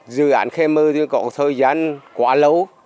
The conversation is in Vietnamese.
dự án khe mơ thì có thời gian quá lâu